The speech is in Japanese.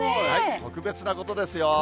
特別なことですよ。